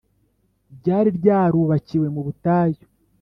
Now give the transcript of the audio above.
ryari ryarubakiwe mu butayu,